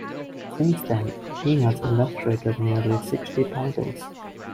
Since then, he has illustrated nearly sixty titles.